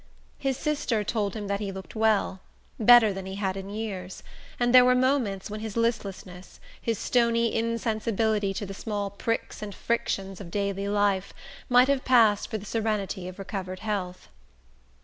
His sister told him that he looked well better than he had in years; and there were moments when his listlessness, his stony insensibility to the small pricks and frictions of daily life, might have passed for the serenity of recovered health.